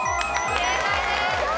正解です。